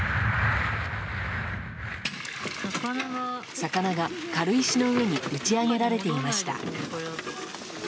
魚が軽石の上に打ち上げられていました。